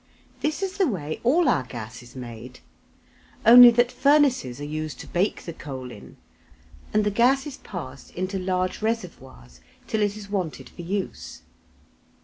This is the way all our gas is made, only that furnaces are used to bake the coal in, and the gas is passed into large reservoirs till it is wanted for use.